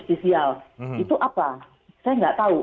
sosial itu apa saya nggak tahu